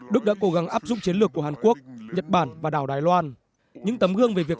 đức đã cố gắng áp dụng chiến lược của hàn quốc nhật bản và đảo đài loan những tấm gương về việc